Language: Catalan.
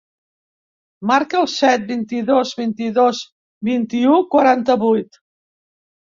Marca el set, vint-i-dos, vint-i-dos, vint-i-u, quaranta-vuit.